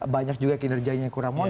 banyak juga kinerjanya yang kurang baik